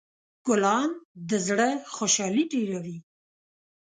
ګلان د زړه خوشحالي ډېروي.